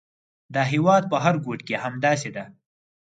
د هېواد په هر ګوټ کې همداسې ده.